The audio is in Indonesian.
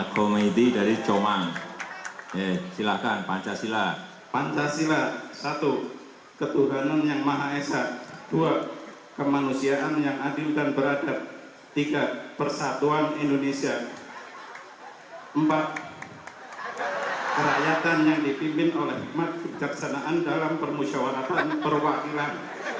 kerajaan yang dipimpin oleh hikmat kebijaksanaan dalam permusyawaratan perwakilan